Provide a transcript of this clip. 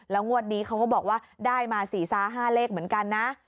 แล้วงวดนี้เขาก็บอกว่าได้มาศีรษรา๕เลขเหมือนกันนะ